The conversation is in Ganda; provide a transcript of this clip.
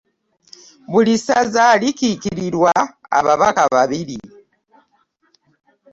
Buli ssaza likiikirirwa ababaka babiri.